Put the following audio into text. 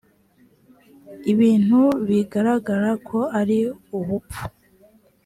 kr ibintu bigaragara ko ari ubupfu